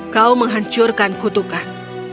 kau menghancurkan kutukan